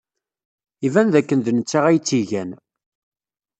Iban dakken d netta ay tt-igan.